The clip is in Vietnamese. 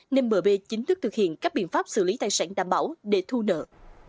nên mb chính thức thực hiện các biện pháp xử lý tài sản đảm bảo để thu nợ